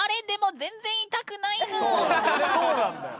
そうなんだよね。